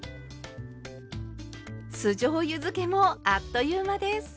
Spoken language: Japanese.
酢じょうゆづけもあっという間です。